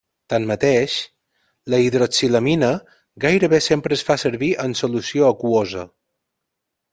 Tanmateix, la hidroxilamina gairebé sempre es fa servir en solució aquosa.